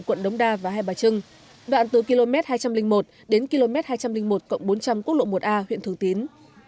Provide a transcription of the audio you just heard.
quận đống đa và hai bà trưng đoạn từ km hai trăm linh một đến km hai trăm linh một cộng bốn trăm linh quốc lộ một a huyện thường tín